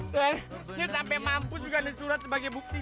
selain itu sampai mampu juga ada surat sebagai bukti